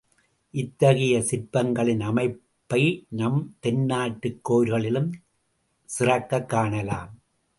இத்தகைய சிற்பங்களின் அமைப்பை நம் தென்னாட்டுக் கோயில்களிலும் சிறக்கக் காணலாம்.